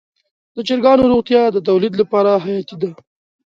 د چرګانو روغتیا د تولید لپاره حیاتي ده.